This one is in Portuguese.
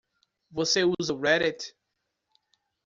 Você usa o Reddit?